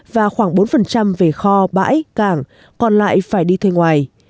và khoảng bốn về kho bãi cảng còn lại phải đi thuê ngoài